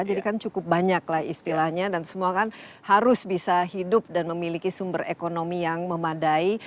jadi kan cukup banyak lah istilahnya dan semua kan harus bisa hidup dan memiliki sumber ekonomi yang memadai